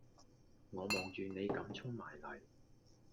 我望住你咁衝埋嚟